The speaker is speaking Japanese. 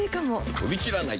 飛び散らない！